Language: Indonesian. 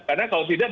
karena kalau tidak